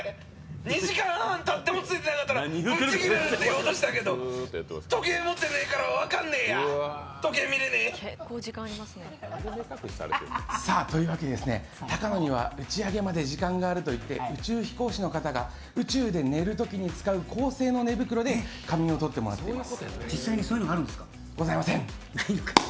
２時間半たっても突かなかったらブチギレると思いましたけど、時計もってねえから分からねえや！というわけで、高野には打ち上げまで時間があると言って、宇宙飛行士の方が宇宙で寝るときに使う高性能寝袋で仮眠を取ってもらっています。